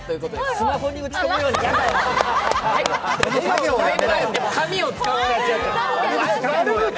スマホに打ち込むようにしました。